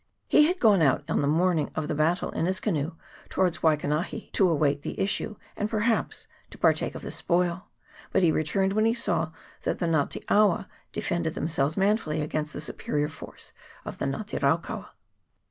He had gone out on the morning of the battle in his canoe towards Waikanahi to await the issue, and, perhaps, to partake of the spoil ; but he returned when he saw that the Nga te awa de fended themselves manfully against the superior force of the Nga te raukaua.